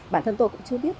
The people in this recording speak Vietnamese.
bản thân tôi cũng chưa biết